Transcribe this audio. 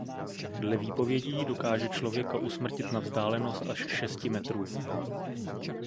Dle výpovědí dokáže člověka usmrtit na vzdálenost až šesti metrů.